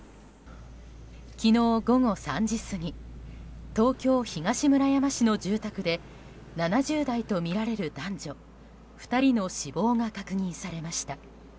昨日、午後３時過ぎ東京・東村山市の住宅で７０代とみられる男女２人の死亡が確認されました。